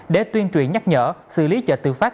để tuyên truyền nhắc nhở xử lý chợ tự phát